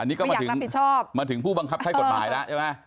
อันนี้ก็มาถึงผู้บังคับใช้กฎหมายแล้วใช่ไหม